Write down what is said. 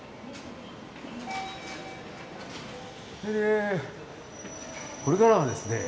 えこれからはですね